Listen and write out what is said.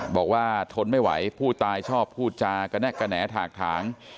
บอกว่าทนไม่ไหวผู้ตายชอบผู้จากแนะแกะแหนะแทากถาง